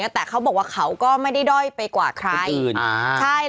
แต่เขาบอกว่าเขาก็ไม่ได้ด้อยไปกว่าใคร